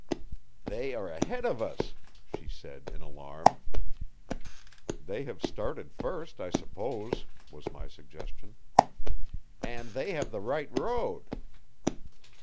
"They are ahead of us," she said in alarm. "They have started first, I suppose," was my suggestion. "And they have the right road."